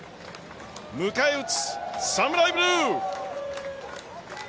迎え撃つサムライブルー。